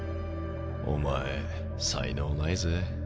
お前才能ないぜ。